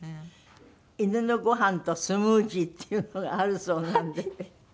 犬のごはんとスムージーっていうのがあるそうなので。